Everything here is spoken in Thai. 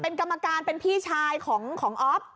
เป็นกรรมการเป็นพี่ชายของอ๊อฟ